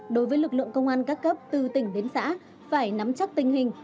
đối với lực lượng công an các cấp từ tỉnh đến xã phải nắm chắc tình hình